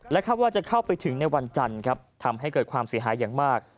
คาดว่าจะเข้าไปถึงในวันจันทร์ครับทำให้เกิดความเสียหายอย่างมาก